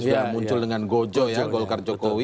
sudah muncul dengan gojo ya golkar jokowi